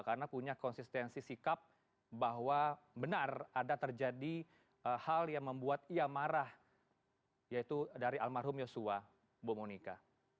karena punya konsistensi sikap bahwa benar ada terjadi hal yang membuat ia marah yaitu dari almarhum yosua ibu monika